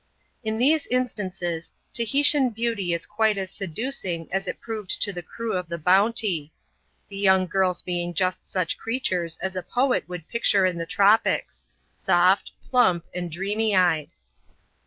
In these instances, Tahitian beauty is quite as seducing as it proved to the crew of the Bounty; the young girls being just such creatures as a poet would picture in the tropics — soft, plump, and dreamy eyed.